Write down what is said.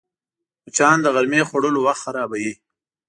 مچان د غرمې خوړلو وخت خرابوي